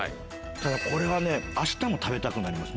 ただこれはね明日も食べたくなります